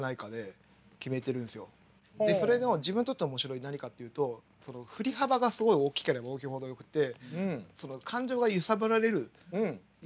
それの自分にとって面白い何かっていうとその振り幅がすごい大きければ大きいほどよくてへえ。